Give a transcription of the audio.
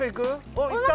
あっいった！